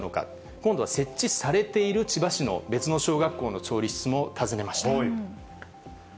今度は設置されている千葉市の別の小学校の調理室も訪ねました。